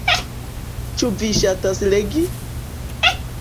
Ĉu vi ŝatas legi?